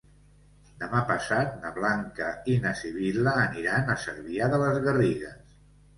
Demà passat na Blanca i na Sibil·la aniran a Cervià de les Garrigues.